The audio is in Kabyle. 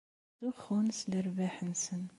Ttzuxxun s lerbaḥ-nsen.